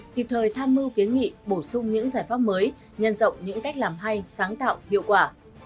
kịp thời tham mưu kiến nghị bổ sung những giải pháp mới nhân rộng những cách làm hay sáng tạo hiệu quả